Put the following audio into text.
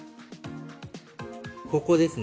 ここですね